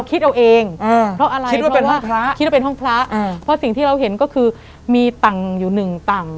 คิดว่าเป็นห้องพระอืมเพราะสิ่งที่เราเห็นก็คือมีต่างอยู่หนึ่งต่าง